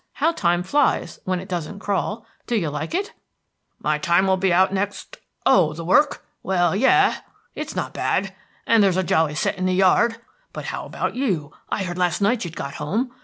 How time flies when it doesn't crawl! Do you like it?" "My time will be out next Oh, the work? Well, yes; it's not bad, and there's a jolly set in the yard. But how about you? I heard last night you'd got home.